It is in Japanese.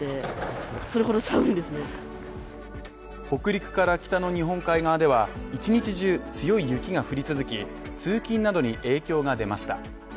北陸から北の日本海側では、一日中強い雪が降り続き、通勤などに影響が出ました。